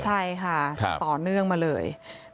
ใช่ค่ะต่อเนื่องมาเลย